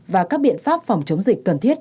và các biện pháp phòng chống dịch cần thiết